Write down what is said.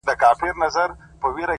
پر تك سره پلـــنــگ ـ